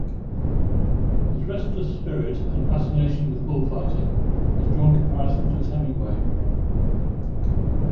His restless spirit and fascination with bullfighting has drawn comparisons with Hemingway.